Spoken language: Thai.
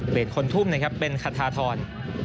เปลี่ยนคนทุ่มนะครับเป็นขาธาธร